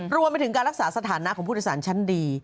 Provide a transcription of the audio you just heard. รวมไปถึงการรักษาสถานะของผู้โดยสารชั้นดี